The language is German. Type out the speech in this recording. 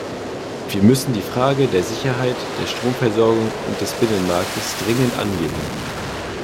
Wir müssen die Frage der Sicherheit der Stromversorgung und des Binnenmarktes dringend angehen.